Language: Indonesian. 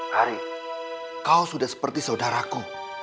hari kau sudah seperti saudaraku